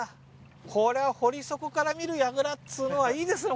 これは堀底から見る櫓っつうのはいいですよ